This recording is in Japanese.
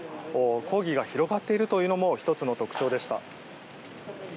抗議が広がっているというのも１つの特徴でした。